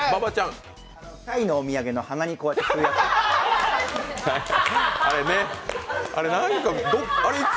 タイのお土産の鼻にこうやって、吸うやつ。